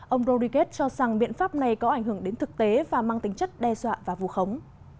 ông rodriguez cho rằng biện pháp này có ảnh hưởng đến thực tế và mang tính chất đe dọa và vù khống